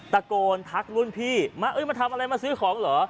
ตะโกนทักรุ่นพี่มาเอ้ยมามาทำอะไรมาซื้อของเหรอ